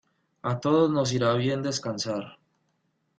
A todos nos irá bien descansar.